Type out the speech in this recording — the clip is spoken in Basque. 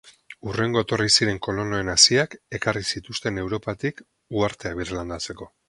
Hurrengo etorri ziren kolonoen haziak ekarri zituzten Europatik uhartea birlandatzeko.